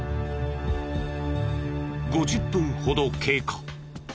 ５０分ほど経過。